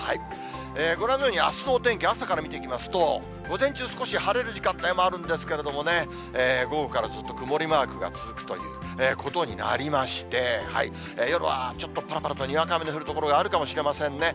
ご覧のように、あすのお天気、朝から見ていきますと、午前中、少し晴れる時間帯もあるんですけれども、午後からずっと曇りマークが続くということになりまして、夜はちょっとぱらぱらっとにわか雨の降る所があるかもしれませんね。